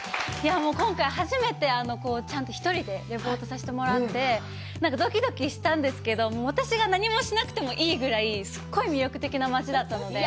今回初めてちゃんと１人でレポートさせてもらって、なんかドキドキしたんですけれども、私が何もしなくてもいいぐらいすごい魅力的な町だったので。